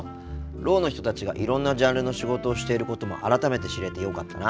ろうの人たちがいろんなジャンルの仕事をしていることも改めて知れてよかったな。